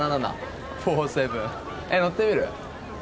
乗ってみる？